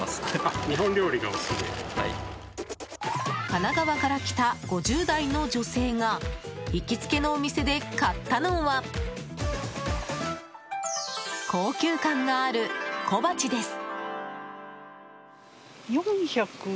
神奈川から来た５０代の女性が行きつけのお店で買ったのは高級感がある小鉢です。